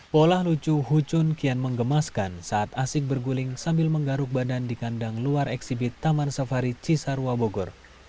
pola lucu hucun kian mengemaskan saat asik berguling sambil menggaruk badan di kandang luar eksibit taman safari cisarua bogor